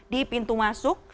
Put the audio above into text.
di pintu masuk